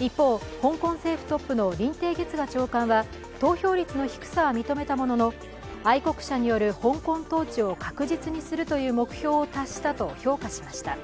一方、香港政府トップの林鄭月娥長官は投票率の低さは認めたものの愛国者による香港統治を確実にするという目標を達したと評価しました。